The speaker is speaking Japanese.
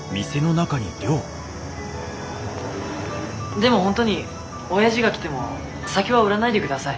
でも本当におやじが来ても酒は売らないでください。